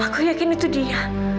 aku yakin itu dia